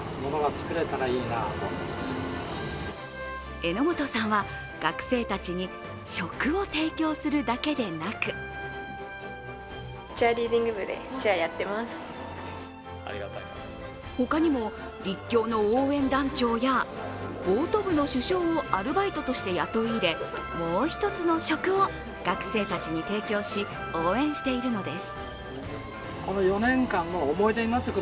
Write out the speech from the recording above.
榎本さんは、学生たちに食を提供するだけでなく他にも立教の応援団長やボート部の主将をアルバイトとして雇い入れ、もう一つのしょくを学生たちに提供し、応援しているのです。